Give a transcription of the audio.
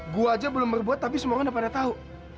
gue aja belum berbuat tapi semua orang udah pada tahu